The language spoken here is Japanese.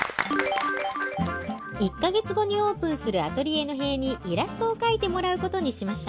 １か月後にオープンするアトリエの塀にイラストを描いてもらうことにしました。